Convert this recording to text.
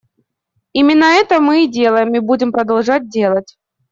Именно это мы и делаем и будем продолжать делать.